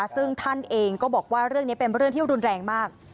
ซึ่งท่านเองก็บอกว่าเรื่องนี้เป็นเรื่องที่รุนแรงมาก